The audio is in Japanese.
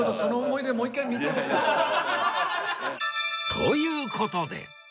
という事で